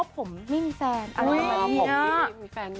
เพราะว่าผมไม่มีแฟน